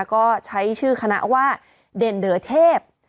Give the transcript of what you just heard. ก็ใช้ชื่อคณะว่าเด่นเดอเทพ